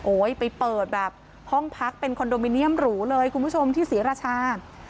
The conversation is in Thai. ไปเปิดแบบห้องพักเป็นคอนโดมิเนียมหรูเลยคุณผู้ชมที่ศรีราชา